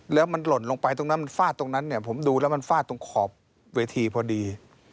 แล้วมันหล่นลงไปตรงนั้นมันฟาดตรงนั้นเนี่ยผมดูแล้วมันฟาดตรงขอบเวทีพอดี